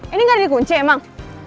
ini gak dikunci emang